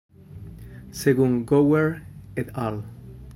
Según Gower "et al.